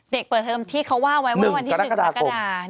เด็กเปิดเทอมที่เขาว่าไว้ว่าวันที่๑กรกฎาคม